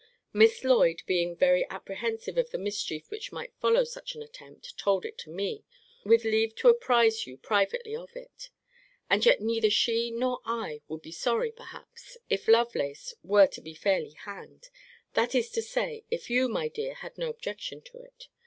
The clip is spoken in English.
Miss Lloyd, being very apprehensive of the mischief which might follow such an attempt, told it to me, with leave to apprize you privately of it and yet neither she nor I would be sorry, perhaps, if Lovelace were to be fairly hanged that is to say, if you, my dear, had no objection to it.